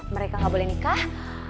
mereka gak boleh nikah